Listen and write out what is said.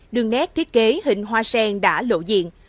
đường nét thiết kế hình hoa sen đã lộ diện